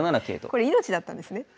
これ命だったんですね。